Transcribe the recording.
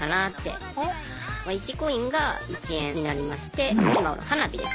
１コインが１円になりまして今花火ですね